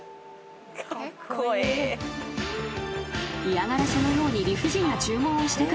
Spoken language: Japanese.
［嫌がらせのように］